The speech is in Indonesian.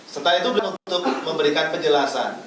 setelah itu untuk memberikan penjelasan